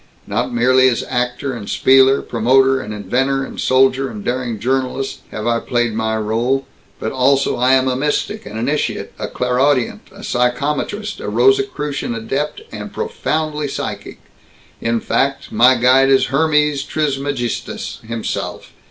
Not merely as actor and spieler, promoter and inventor and soldier and daring journalist, have I played my rôle, but also I am a mystic, an initiate, a clairaudient, a psychometrist, a Rosicrucian adept, and profoundly psychic in fact, my guide is Hermes Trismegistus himself!